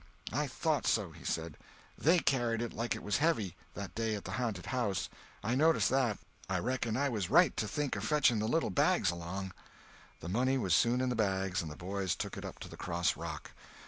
"I thought so," he said; "They carried it like it was heavy, that day at the ha'nted house. I noticed that. I reckon I was right to think of fetching the little bags along." The money was soon in the bags and the boys took it up to the cross rock.